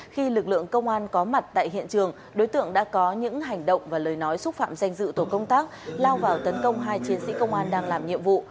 khi lực lượng công an có mặt tại hiện trường đối tượng đã có những hành động và lời nói xúc phạm danh dự tổ công tác lao vào tấn công hai chiến sĩ công an đang làm nhiệm vụ